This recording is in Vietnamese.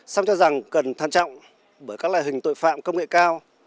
song cho rằng cần than trọng bởi các loại hình tội phạm công nghệ cao